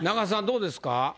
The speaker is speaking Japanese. どうですか？